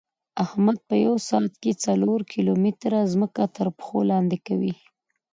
احمد په یوه ساعت کې څلور کیلو متېره ځمکه ترپښو لاندې کوي.